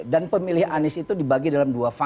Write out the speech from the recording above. dan pemilih anies itu dibagi dalam dua